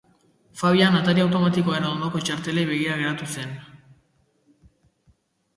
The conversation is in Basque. Fabian atari automatikoaren ondoko txartelei begira geratu zen.